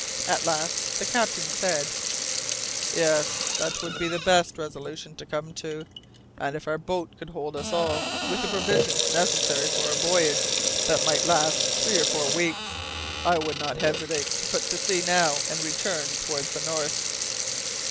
At last the captain said, "Yes, that would be the best resolution to come to; and if our boat could hold us all, with the provisions necessary for a voyage that might last three or four weeks, I would not hesitate to put to sea now and return towards the north."